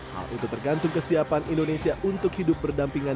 hal itu tergantung kesiapan indonesia untuk hidup berdampingan